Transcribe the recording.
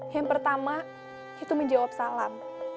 yang pertama itu menjawab salam